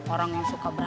orang yang suka beramat